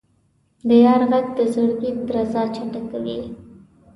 د یار ږغ د زړګي درزا چټکوي.